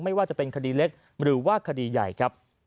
ไม่ว่าจะเป็นคดีเล็กหรือว่าคดีใหญ่ครับ